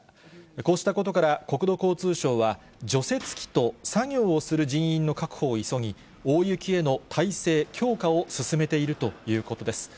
こうしたことから国土交通省は、除雪機と作業をする人員の確保を急ぎ、大雪への体制強化を進めているということです。